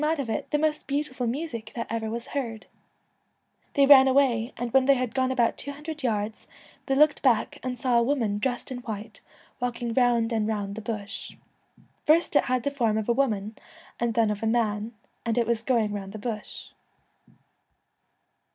Twilight, of it the most beautiful music that ever was heard/ They ran away, and when they had gone about two hundred yards they looked back and saw a woman dressed in white, walking round and round the bush. ' First it had the form of a woman, and then of a man, and it was going round the bush.'